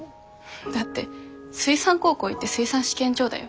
だって水産高校行って水産試験場だよ？